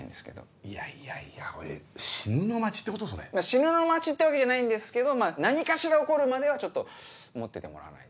死ぬの待ちってわけじゃないんですけど何かしら起こるまではちょっと持っててもらわないと。